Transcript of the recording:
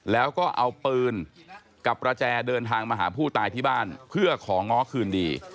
แล้วก็เอาปืนกับประแจเดินทางมาหาผู้ตายที่บ้านเพื่อของ้อคืนดี